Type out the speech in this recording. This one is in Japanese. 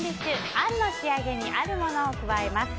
あんの仕上げにあるものを加えます。